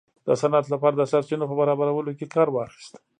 د صنعت لپاره د سرچینو په برابرولو کې کار واخیست.